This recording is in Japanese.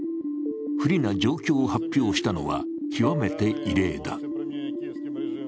不利な状況を発表したのは極めて異例だ。